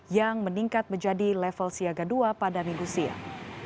yang meningkat menjadi level siaga dua pada minggu siang